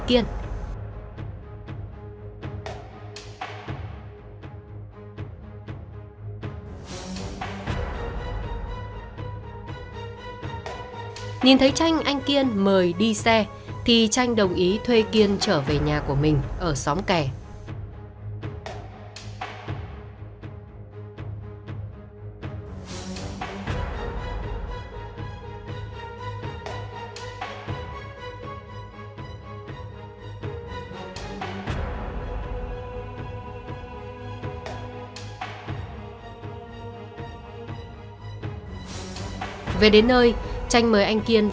khi anh kiên mời đi xe thì chanh đồng ý thuê kiên trở về nhà của mình ở xóm kẻ